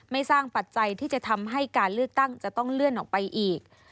สร้างปัจจัยที่จะทำให้การเลือกตั้งจะต้องเลื่อนออกไปอีก